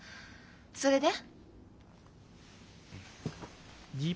それで？